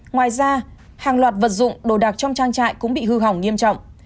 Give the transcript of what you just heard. ngoài ra hàng loạt vật dụng đồ đạc trong trang trại cũng bị hư hỏng nghiêm trọng